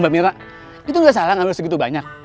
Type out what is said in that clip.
mbak mira itu udah salah ngambil segitu banyak